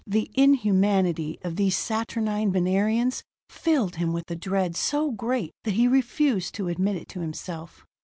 The inhumanity of these saturnine Venerians filled him with a dread so great that he refused to admit it to himself.